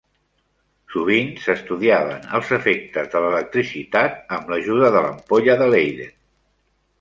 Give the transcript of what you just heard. Sovint s'estudiaven els efectes de l'electricitat amb l'ajuda de l'ampolla de Leiden.